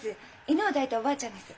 犬を抱いたおばあちゃんです。